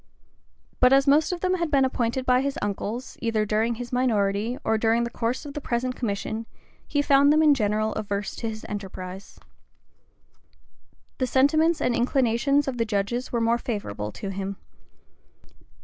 [*] But as most of them had been appointed by his uncles, either during his minority or during the course of the present commission, he found them in general averse to his enterprise. The sentiments and inclinations of the judges were more favorable to him.